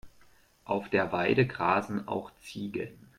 Auf der Weide grasen auch Ziegen.